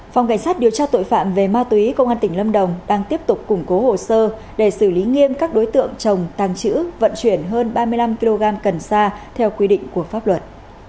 phòng cảnh sát điều tra tội phạm về ma túy công an tỉnh lâm đồng đang tiếp tục củng cố hồ sơ để xử lý nghiêm các đối tượng trồng tăng trữ vận chuyển hơn ba mươi năm kg cần sa theo quy định của pháp luật